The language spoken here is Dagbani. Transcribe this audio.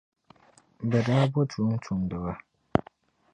Bɛ daa bo tumtumdiba.